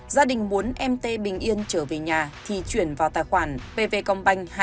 gia đình muốn em tê bình yên trở về nhà thì chuyển vào tài khoản pv công banh